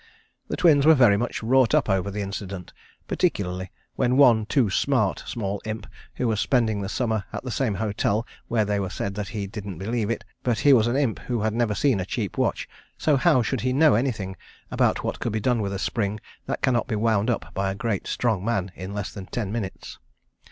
The Twins were very much wrought up over the incident, particularly, when one too smart small imp who was spending the summer at the same hotel where they were said that he didn't believe it, but he was an imp who had never seen a cheap watch, so how should he know anything about what could be done with a spring that cannot be wound up by a great strong man in less than ten minutes?